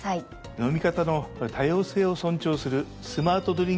飲み方の多様性を尊重するスマートドリン